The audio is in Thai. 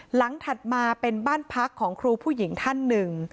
ถัดมาเป็นบ้านพักของครูผู้หญิงท่านหนึ่ง